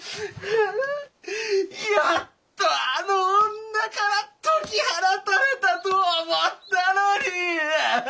やっとあの女から解き放たれたと思ったのに！